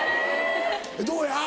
どうや？